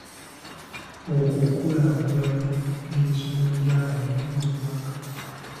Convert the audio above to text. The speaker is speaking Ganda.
Okukulaakulanya emisomo gy'abalimi mu ggwanga.